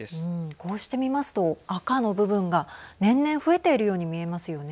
こうして見ますと赤の部分が年々増えているように見えますよね。